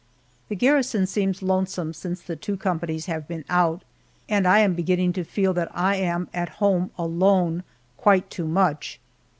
THE garrison seems lonesome since the two companies have been out, and I am beginning to feel that I am at home alone quite too much.